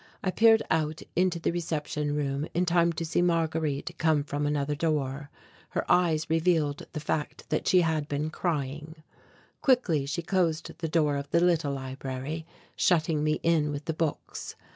I peered out into the reception room in time to see Marguerite come from another door. Her eyes revealed the fact that she had been crying. Quickly she closed the door of the little library, shutting me in with the books.